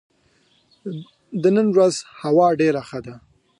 د نن ورځ هوا ډېره ښه ده.